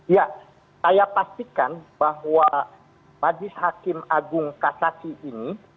ya saya pastikan bahwa majelis hakim agung kasasi ini